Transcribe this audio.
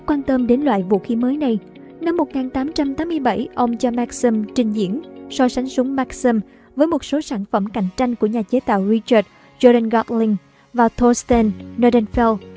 quan tâm đến loại vũ khí mới này năm một nghìn tám trăm tám mươi bảy ông cho maxim trình diễn so sánh súng maxim với một số sản phẩm cạnh tranh của nhà chế tạo richard jordan gatling và thorstein nordenfeld